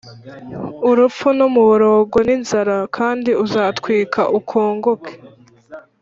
urupfu n’umuborogo n’inzara kandi uzatwikwa ukongoke,